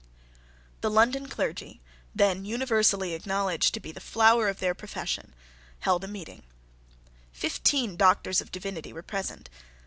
The London clergy, then universally acknowledged to be the flower of their profession, held a meeting. Fifteen Doctors of Divinity were present.